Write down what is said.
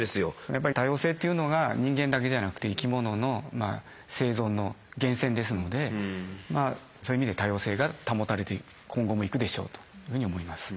やっぱり多様性っていうのが人間だけじゃなくて生き物のまあ生存の源泉ですのでそういう意味で多様性が保たれて今後もいくでしょうというふうに思います。